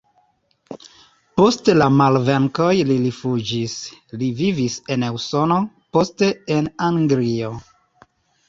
Post la malvenkoj li rifuĝis, li vivis en Usono, poste en Anglio.